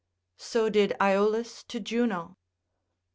So did. Aeolus to Juno.